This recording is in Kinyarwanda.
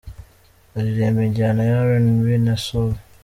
Aririmba injyana ya RnB na Soul.